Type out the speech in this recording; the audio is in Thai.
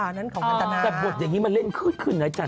แต่บทอยังงี้มันเล่นคืนน่ะไอ้ชันนะ